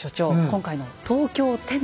今回の「東京奠都」